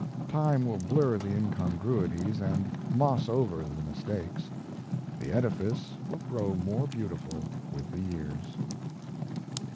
Time will blur the incongruities and moss over the mistakes. The edifice will grow more beautiful with the years.